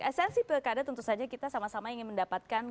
esensi pilkada tentu saja kita sama sama ingin mendapatkan